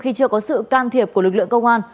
khi chưa có sự can thiệp của lực lượng công an